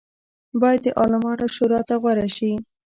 باید د عالمانو شورا ته غوره شي.